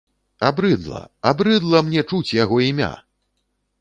Абрыдла, абрыдла мне чуць яго імя!